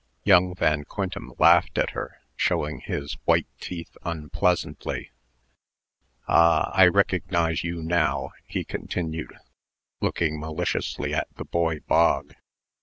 Young Van Quintem laughed at her, showing his white teeth unpleasantly. "Ah, I recognize you now," he continued, looking maliciously at the boy Bog.